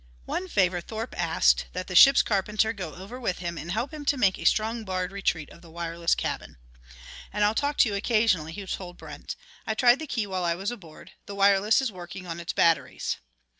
One favor Thorpe asked that the ship's carpenter go over with him and help him to make a strong barred retreat of the wireless cabin. "And I'll talk to you occasionally," he told Brent. "I tried the key while I was aboard; the wireless is working on its batteries."